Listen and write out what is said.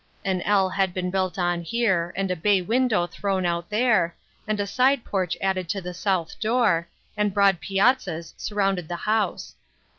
An L had been built on here, and a bay window thrown out there, and a side porch added to the south door, and broad piazzas surrounded the house.